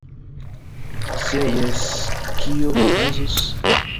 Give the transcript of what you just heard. Se jes, kio okazus?!